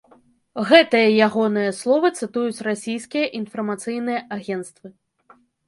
Гэтыя ягоныя словы цытуюць расійскія інфармацыйныя агенцтвы.